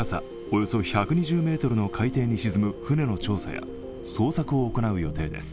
およそ１２０ｍの海底に沈む船の調査や捜索を行う予定です。